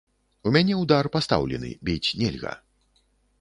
У мяне ўдар пастаўлены, біць нельга.